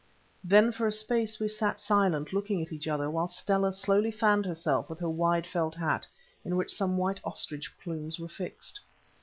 Then for a space we sat silent, looking at each other, while Stella slowly fanned herself with her wide felt hat, in which some white ostrich plumes were fixed.